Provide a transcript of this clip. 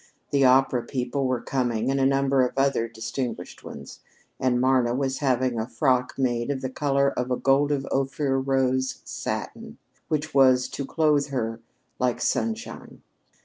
The opera people were coming and a number of other distinguished ones; and Marna was having a frock made of the color of a gold of Ophir rose satin which was to clothe her like sunshine.